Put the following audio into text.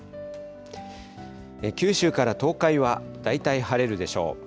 九州から東海は大体晴れるでしょう。